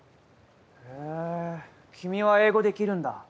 へぇ君は英語できるんだ。